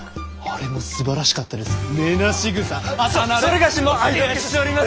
それがしも愛読しております！